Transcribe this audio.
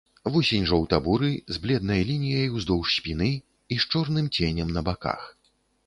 Вусень жоўта-буры, з бледнай лініяй уздоўж спіны і з чорным ценем на баках.